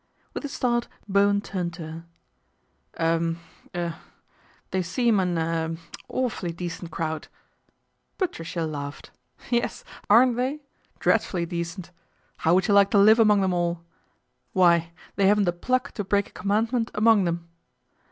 With a start Bowen turned to her. " Er er they seem an er awfully decent crowd." Patricia laughed. " Yes, aren't they ? Dread 70 PATRICIA BRENT, SPINSTER fully decent. How would you like to live among them all ? Why they haven't the pluck to break a commandment among them."